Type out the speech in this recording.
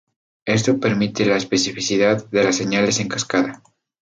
Esto permite la especificidad de las señales en cascada.